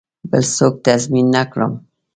بل څوک تضمین نه کړم.